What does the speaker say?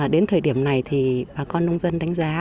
đến thời điểm này thì bà con nông dân đánh giá